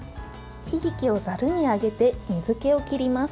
ひじきをざるにあげて水けを切ります。